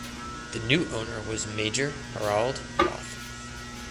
The new owner was major Harald Rothe.